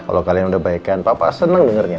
kalau kalian udah baik an papa senang dengernya